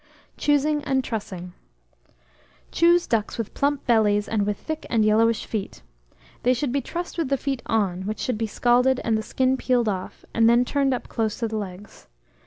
Choosing and Trussing. Choose ducks with plump bellies, and with thick and yellowish feet. They should be trussed with the feet on, which should be scalded, and the skin peeled off, and then turned up close to the legs.